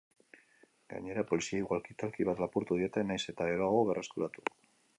Gainera, poliziei walkie-talkie bat lapurtu diete, nahiz eta geroago berreskuratu.